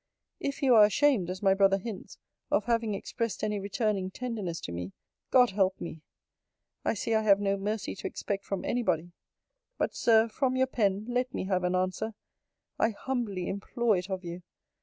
If you are ashamed, as my brother hints, of having expressed any returning tenderness to me, God help me! I see I have no mercy to expect from any body! But, Sir, from your pen let me have an answer; I humbly implore it of you.